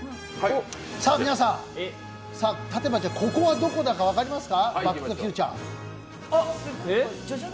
さあ皆さん、ここはどこだか分かりますか？